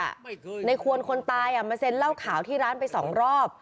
ไม่เคยในควรคนตายอ่ะมาเซ็นเล่าข่าวที่ร้านไปสองรอบ